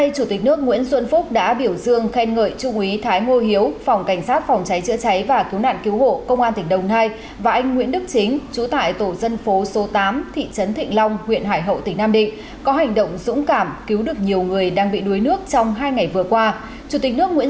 các bạn hãy đăng ký kênh để ủng hộ kênh của chúng mình nhé